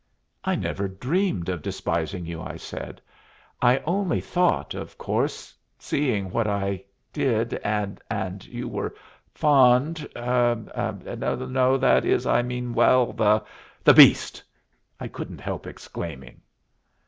"I never dreamed of despising you," I said. "I only thought, of course seeing what I did and that you were fond No that is I mean well The beast!" I couldn't help exclaiming.